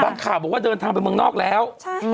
ข่าวบอกว่าเดินทางไปเมืองนอกแล้ว